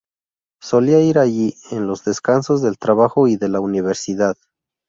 Solía ir allí en los descansos del trabajo y de la universidad.